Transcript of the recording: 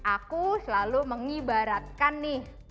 aku selalu mengibaratkan nih